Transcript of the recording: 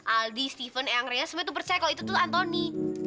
aldi steven yang kerennya semua itu percaya kalau itu tuh anthony